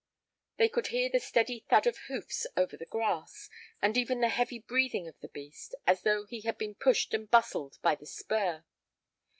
They could hear the steady thud of hoofs over the grass, and even the heavy breathing of the beast, as though he had been pushed and bustled by the spur.